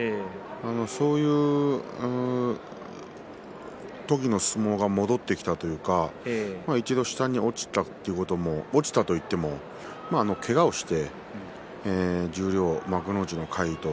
そういう時の相撲が戻ってきたというか一度下に落ちたということも落ちたといってもけがをして十両、幕内の魁渡